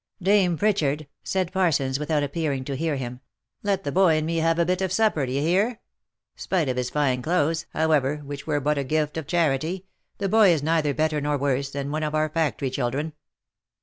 " Dame Pritchard," said Parsons, without appearing to hear him, " Let the boy and me have a bit of supper, d'ye hear. Spite of his fine clothes, however, which were but a gift of charity, the boy is neither better nor worse, than one of our factory children."